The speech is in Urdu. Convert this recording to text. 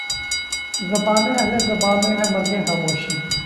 زبانِ اہلِ زباں میں ہے مرگِ خاموشی